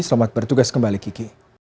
selamat bertugas kembali kiki